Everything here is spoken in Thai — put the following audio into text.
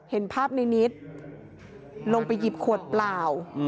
เห็นภาพในนิดลงไปหยิบขวดเปล่า